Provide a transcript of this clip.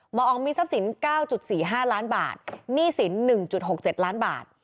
หมออองมีทรัพย์สิน๙๔๕ล้านบาทหนี้สิน๑๖๗ล้านบาท